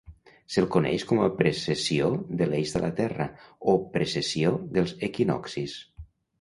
Se'l coneix com a precessió de l'eix de la Terra, o precessió dels equinoccis.